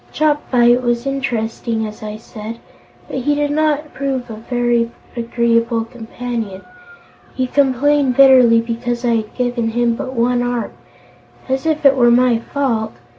Chopfyt was interesting, as I said, but he did not prove a very agreeable companion. He complained bitterly because I had given him but one arm as if it were my fault!